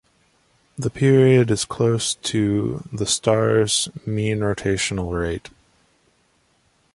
The period is close to the star's mean rotational rate.